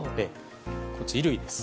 衣類です。